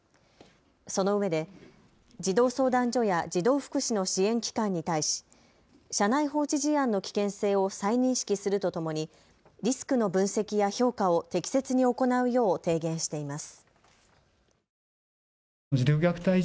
そのうえで児童相談所や児童福祉の支援機関に対し車内放置事案の危険性を再認識するとともにリスクの分析や評価を適切に行うよう提言しています。